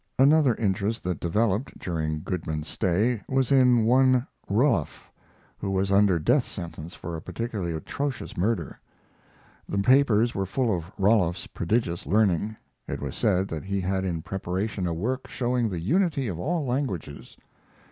Another interest that developed during Goodman's stay was in one Ruloff, who was under death sentence for a particularly atrocious murder. The papers were full of Ruloff's prodigious learning. It was said that he had in preparation a work showing the unity of all languages.